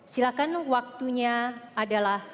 silahkan waktunya adalah